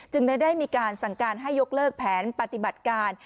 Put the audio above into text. ได้มีการสั่งการให้ยกเลิกแผนปฏิบัติการ